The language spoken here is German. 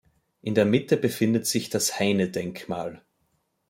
In der Mitte befindet sich das Heine-Denkmal.